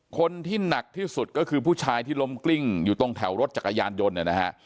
คนที่หนักที่สุดก็คือผู้ชายที่ล้มกลิ้งอยู่ตรงแถวรถจักรยานยนต์เนี่ยนะฮะ